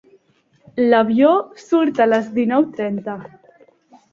L'avió surt a les dinou trenta.